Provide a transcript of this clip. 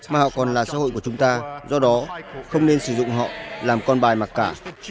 mà họ còn là xã hội của chúng ta do đó không nên sử dụng họ làm con bài mặc cả